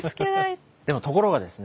でもところがですね。